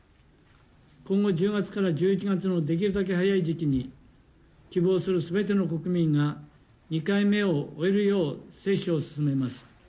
今後１０月から１１月のできるだけ早い時期に、希望するすべての国民が２回目を終えるよう接種を進めます。